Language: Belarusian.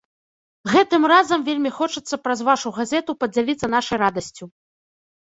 Гэтым разам вельмі хочацца праз вашу газету падзяліцца нашай радасцю.